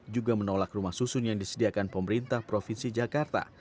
juga menolak rumah susun yang disediakan pemerintah provinsi jakarta